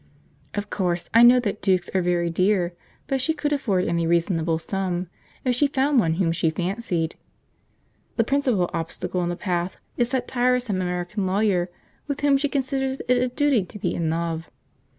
Of course I know that dukes are very dear, but she could afford any reasonable sum, if she found one whom she fancied; the principal obstacle in the path is that tiresome American lawyer with whom she considers herself in love.